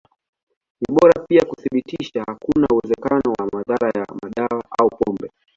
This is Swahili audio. Ni bora pia kuthibitisha hakuna uwezekano wa madhara ya madawa au pombe.